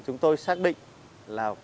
chúng tôi xác định là